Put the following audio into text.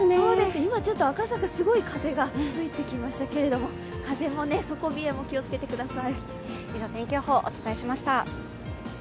今ちょっと赤坂、すごい風が吹いてきましたけど風も底冷えも気をつけてください。